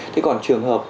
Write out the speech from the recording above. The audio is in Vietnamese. thế còn trường hợp